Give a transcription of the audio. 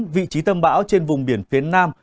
vị trí tâm bão trên vùng biển phía nam